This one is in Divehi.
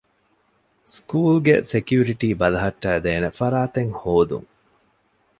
ސްކޫލުގެ ސެކިއުރިޓީ ބަލަހައްޓައިދޭނެ ފަރާތެއް ހޯދުން